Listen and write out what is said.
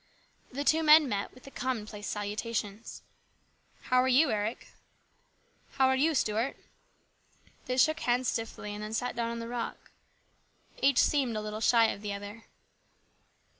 The two men met with the commonplace salutations :" How are you, Eric ?"" How are you, Stuart ?" They shook hands stiffly, and then sat down on the rock. Each seemed a little shy of the other.